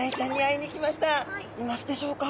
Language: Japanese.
いますでしょうか？